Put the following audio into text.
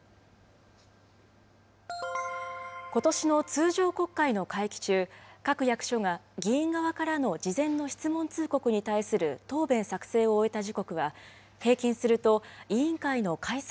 ことしの通常国会の会期中、各役所が議員側からの事前の質問通告に対する答弁作成を終えた時刻は、平均すると委員会の開催